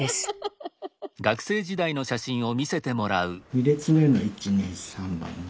２列目の１２３番目。